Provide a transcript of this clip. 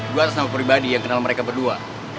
gue atas nama pribadi yang kenal mereka berdua